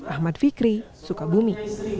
ahmad fikri sukabumi